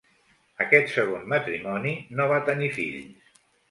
Aquest segon matrimoni no va tenir fills.